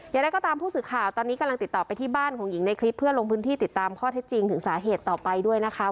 อย่างไรก็ตามผู้สื่อข่าวตอนนี้กำลังติดต่อไปที่บ้านของหญิงในคลิปเพื่อลงพื้นที่ติดตามข้อเท็จจริงถึงสาเหตุต่อไปด้วยนะคะ